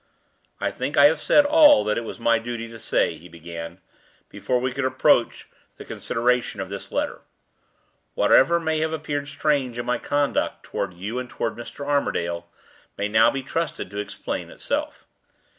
"I think I have said all that it was my duty to say," he began, "before we could approach the consideration of this letter. Whatever may have appeared strange in my conduct toward you and toward Mr. Armadale may be now trusted to explain itself.